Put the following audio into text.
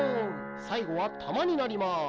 さいごはたまになります。